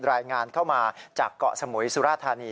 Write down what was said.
รายงานเข้ามาจากเกาะสมุยสุราธานี